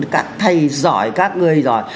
các thầy giỏi các người giỏi